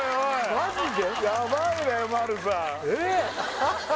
マジで？